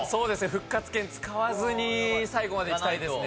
復活権使わずに最後までいきたいですね。